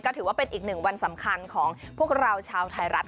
ถือว่าเป็นอีกหนึ่งวันสำคัญของพวกเราชาวไทยรัฐ